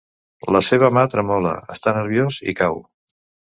La seva mà tremola, està nerviós i cau.